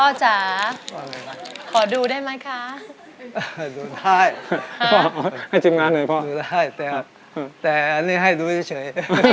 พ่อจ๊ะขอดูได้ไหมคะดูได้ให้จับหน้าหน่อยพ่อแต่อันนี้ให้ดูเฉย